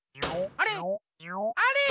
あれ？